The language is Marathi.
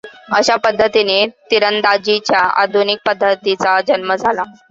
अशा पद्धतीने तिरंदाजीच्या आधुनिक पद्धतीचा जन्म झाला.